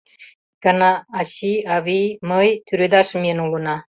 Икана ачий, авий, мый тӱредаш миен улына.